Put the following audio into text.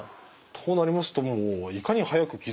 となりますともういかに早く気付くか。